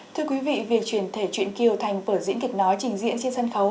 thưa quý vị việc chuyển thể chuyển kiều thành vở diễn kịch nói trình diễn trên sân khấu